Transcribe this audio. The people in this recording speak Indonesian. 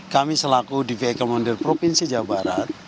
kami selaku dpi komender provinsi jawa barat